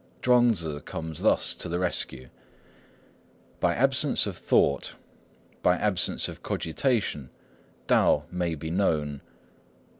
Chuang Tzŭ comes thus to the rescue:— "By absence of thought, by absence of cogitation, Tao may be known.